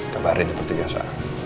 kabarin seperti biasa